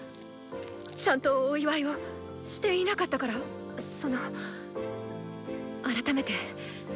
ちゃんとお祝いをっしていなかったからその改めて。